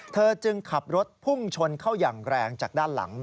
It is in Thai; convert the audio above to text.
เธอจึงขับรถพุ่งชนเข้าอย่างแรงจากด้านหลัง